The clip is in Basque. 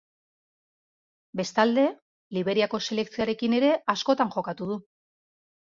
Bestalde, Liberiako selekzioarekin ere askotan jokatu du.